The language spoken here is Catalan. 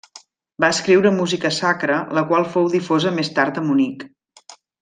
Va escriure música sacra la qual fou difosa més tard a Munic.